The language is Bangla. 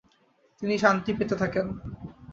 তিনি শান্তি পেতে থাকেন।